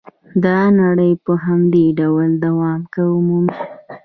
دا لړۍ په همدې ډول دوام مومي